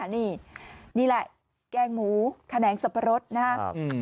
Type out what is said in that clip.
นี่แหละแกงหมูแขนงสับปะรดนะฮะ